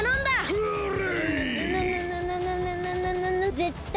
それ！